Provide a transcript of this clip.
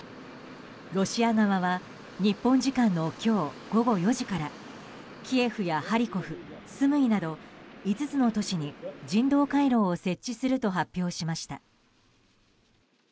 ロシア側は日本時間の今日午後４時からキエフやハリコフ、スムイなど５つの都市に人道回廊を設置すると発表しました。